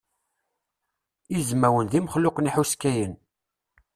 Izmawen d imexluqen ihuskayen.